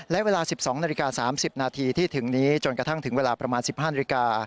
และเวลา๑๒นาฬิกา๓๐นาทีที่ถึงนี้จนกระทั่งถึงเวลาประมาณ๑๕นาฬิกา